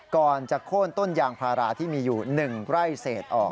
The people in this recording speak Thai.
ก่อนจะโค้นต้นยางพาราที่มีอยู่๑ไร่เศษออก